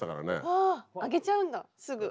ああげちゃうんだすぐ。